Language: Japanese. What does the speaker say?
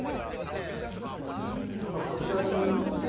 こちらに打って。